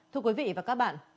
thưa quý vị và các bạn